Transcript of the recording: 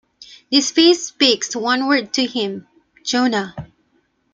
This face speaks one word to him: "Jonah".